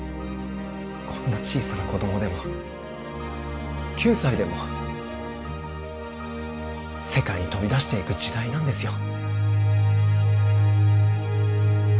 こんな小さな子供でも９歳でも世界に飛び出していく時代なんですよ